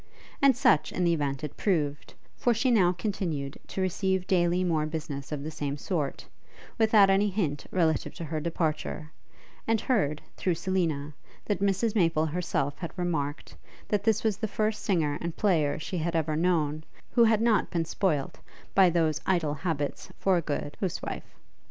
And such, in the event, it proved; for she now continued to receive daily more business of the same sort, without any hint relative to her departure; and heard, through Selina, that Mrs Maple herself had remarked, that this was the first singer and player she had ever known, who had not been spoilt by those idle habits for a good huswife.